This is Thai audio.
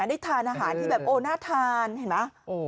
ได้ทานอาหารที่แบบโอ้น่าทานเห็นไหม